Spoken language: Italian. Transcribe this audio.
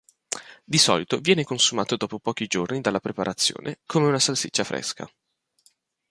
Di solito viene consumato dopo pochi giorni dalla preparazione come una salsiccia fresca.